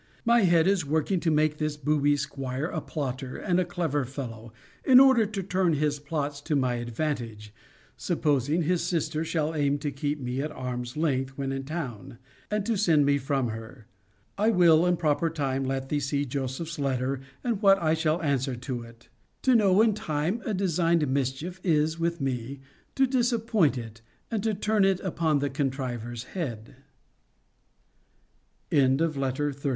My head is working to make this booby 'squire a plotter, and a clever fellow, in order to turn his plots to my advantage, supposing his sister shall aim to keep me at arm's length when in town, and to send me from her. But I will, in proper time, let thee see Joseph's letter, and what I shall answer to it.* To know in time a designed mischief, is, with me, to disappoint it, and to turn it upon the contriver's head. * See Letters XLVII.